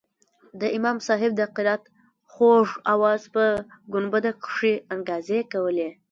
د امام صاحب د قرائت خوږ اواز په ګنبده کښې انګازې کولې.